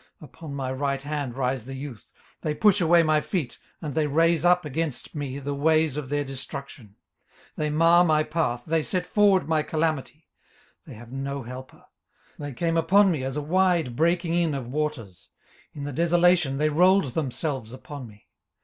18:030:012 Upon my right hand rise the youth; they push away my feet, and they raise up against me the ways of their destruction. 18:030:013 They mar my path, they set forward my calamity, they have no helper. 18:030:014 They came upon me as a wide breaking in of waters: in the desolation they rolled themselves upon me.